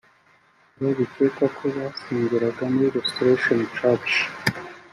Aba bikekwa ko basengeraga muri Restoration Church